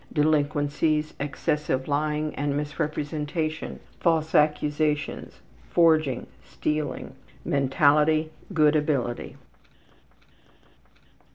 Delinquencies: Excessive lying and misrepresentation. False accusations. Forging. Mentality: Stealing. Good ability.